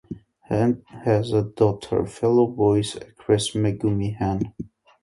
Han has a daughter, fellow voice actress Megumi Han.